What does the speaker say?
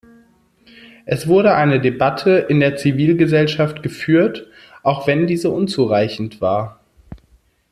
Es wurde eine Debatte in der Zivilgesellschaft geführt, auch wenn diese unzureichend war.